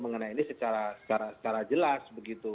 mengenai ini secara jelas